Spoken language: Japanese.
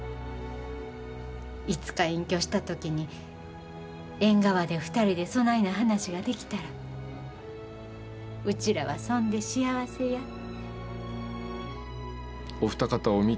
いつか隠居した時に縁側で２人でそないな話ができたらうちらはそんで幸せや。